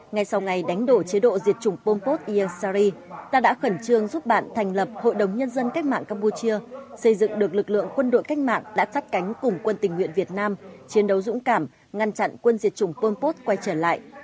ngay sau ngày đánh đổ chế độ diệt chủng pompos iyansari ta đã khẩn trương giúp bạn thành lập hội đồng nhân dân cách mạng campuchia xây dựng được lực lượng quân đội cách mạng đã chắc cánh cùng quân tình nguyện việt nam chiến đấu dũng cảm ngăn chặn quân diệt chủng pompos quay trở lại